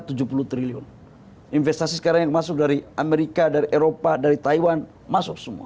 investasi sekarang yang masuk dari amerika dari eropa dari taiwan masuk semua